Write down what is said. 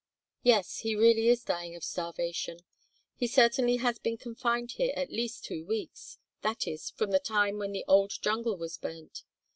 "Yes, he really is dying of starvation. He certainly has been confined here at least two weeks, that is, from the time when the old jungle was burnt.